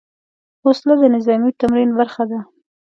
وسله د نظامي تمرین برخه ده